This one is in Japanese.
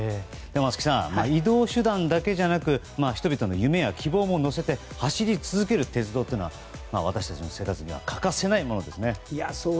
松木さん、移動手段だけじゃなく人々の夢や希望も乗せて走り続ける鉄道は私たちの生活に欠かせないものですね。